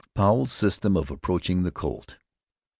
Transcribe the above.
POWEL'S SYSTEM OF APPROACHING THE COLT.